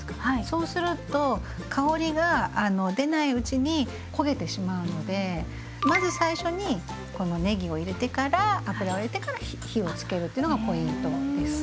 そうすると香りが出ないうちに焦げてしまうのでまず最初にこのねぎを入れてから油を入れてから火をつけるっていうのがポイントです。